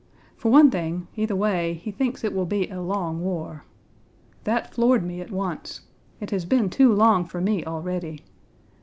For one thing, either way, he thinks it will be a long war. That floored me at once. It has been too long for me already.